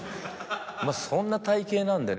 まぁそんな体形なんでね